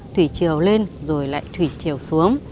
thủy triều lên rồi lại thủy triều xuống